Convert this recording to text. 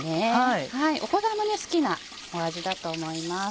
お子さんも好きな味だと思います。